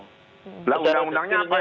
nah undang undangnya apa yang dipatuhi